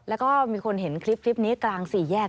แล้วก็มีคนเห็นคลิปนี้กลางสี่แยก